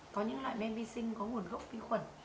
có những loại men vi sinh có nguồn gốc vi khuẩn